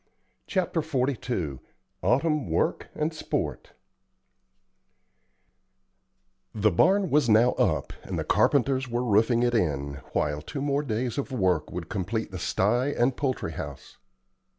CHAPTER XLII AUTUMN WORK AND SPORT The barn was now up, and the carpenters were roofing it in, while two days more of work would complete the sty and poultry house.